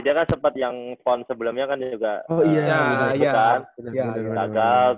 dia kan sempat yang pon sebelumnya kan juga gagal